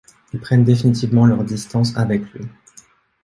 Ils prennent définitivement leur distance avec lui.